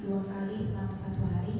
dua kali selama satu hari